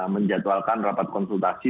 menjatuhkan rapat konsultasi